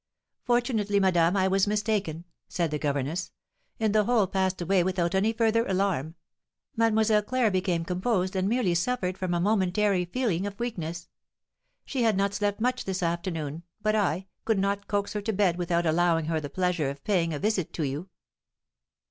"Fortunately, madame, I was mistaken," said the governess, "and the whole passed away without any further alarm; Mademoiselle Claire became composed, and merely suffered from a momentary feeling of weakness. She has not slept much this afternoon, but I could not coax her to bed without allowing her the pleasure of paying a visit to you."